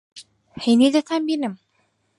ھەینی دەتانبینم.